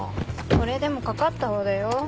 これでもかかった方だよ。